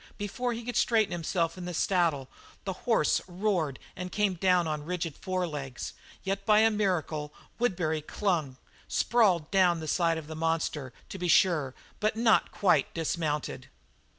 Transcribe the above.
Before he could straighten himself in the saddle, the horse roared and came down on rigid forelegs, yet by a miracle Woodbury clung, sprawled down the side of the monster, to be sure, but was not quite dismounted.